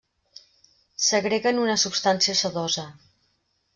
Segreguen una substància sedosa.